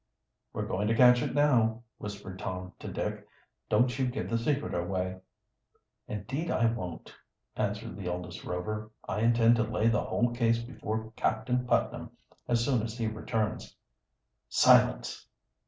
"We're going to catch it now," whispered Tom to Dick. "Don't you give the secret away." "Indeed I won't," answered the eldest Rover. "I intend to lay the whole case before Captain Putnam as soon as he returns." "Silence!"